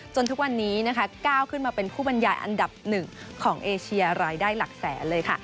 ทุกวันนี้นะคะก้าวขึ้นมาเป็นผู้บรรยายอันดับหนึ่งของเอเชียรายได้หลักแสนเลยค่ะ